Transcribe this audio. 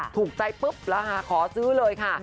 ถูกใจปุ๊บแล้วค่ะขอซื้อเลยค่ะ